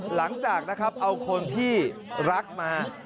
หลังจากนะครับเอาคนที่รักมา